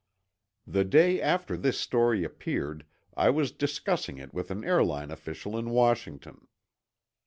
The day after this story appeared, I was discussing it with an airline official in Washington.